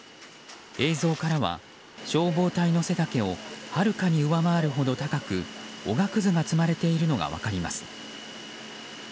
映像からは、消防隊の背丈をはるかに上回るほど高くおがくずが積まれているのが分かります。